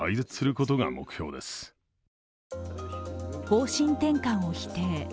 方針転換を否定。